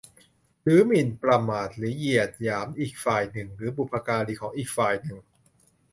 หรือหมิ่นประมาทหรือเหยียดหยามอีกฝ่ายหนึ่งหรือบุพการีของอีกฝ่ายหนึ่ง